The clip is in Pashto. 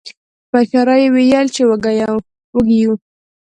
په اشاره یې وویل چې وږي یو.